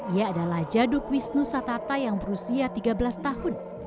ia adalah jaduk wisnu satata yang berusia tiga belas tahun